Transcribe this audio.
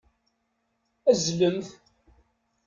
Azzelemt.